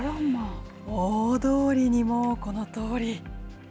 大通りにもこのとおり。